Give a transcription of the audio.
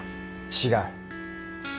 違う。